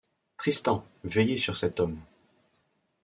Tristan, veillez sur cet homme !